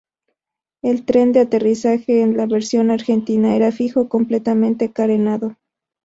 El tren de aterrizaje en la versión argentina era fijo, completamente carenado.